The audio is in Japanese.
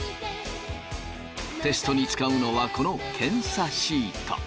テストに使うのはこの検査シート。